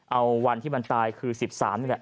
เอาวันที่มันตายคือ๑๓นี่แหละ